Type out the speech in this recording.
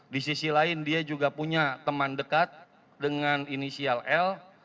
di sisi lain dia juga punya teman dekat dengan inisial l